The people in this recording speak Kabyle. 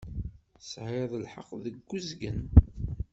Tesεiḍ lḥeqq deg uzgen.